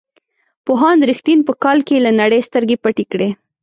پوهاند رښتین په کال کې له نړۍ سترګې پټې کړې.